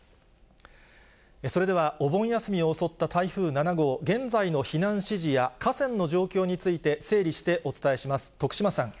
それでは、お盆休みを襲った台風７号、現在の避難指示や河川の状況について、整理してお伝えします。